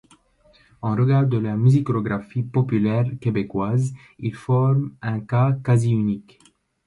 En regard de la musicographie populaire québécoise, ils forment un cas quasi-unique.